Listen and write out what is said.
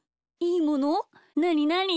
なになに？